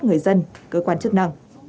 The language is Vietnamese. người dân cơ quan chức năng